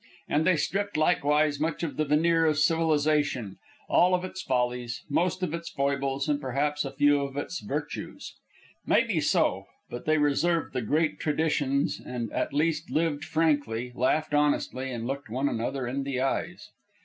And they stripped likewise much of the veneer of civilization all of its follies, most of its foibles, and perhaps a few of its virtues. Maybe so; but they reserved the great traditions and at least lived frankly, laughed honestly, and looked one another in the eyes.